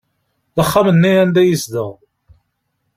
D axxam-nni anda yezdeɣ.